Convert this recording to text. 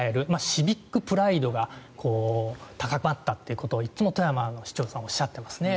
シビック・プライドが高まったということをいつも富山市長さんはおっしゃっていますね。